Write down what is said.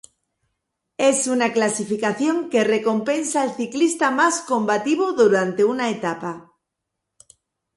Es una clasificación que recompensa el ciclista más combativo durante una etapa.